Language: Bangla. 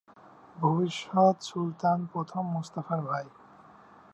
ভবিষ্যৎ সুলতান প্রথম মুস্তাফার ভাই।